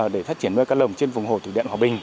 để phát triển nuôi cá lồng trên vùng hồ thủy điện hòa bình